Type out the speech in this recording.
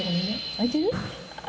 開いてる？